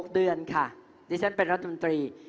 ๖เดือนค่ะดิฉันเป็นรัฐมนตรี